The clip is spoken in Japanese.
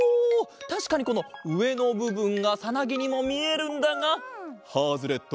たしかにこのうえのぶぶんがさなぎにもみえるんだがハズレット！